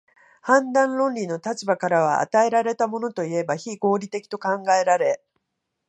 判断論理の立場からは、与えられたものといえば非合理的と考えられ、